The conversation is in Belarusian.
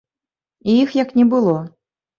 І іх як не было.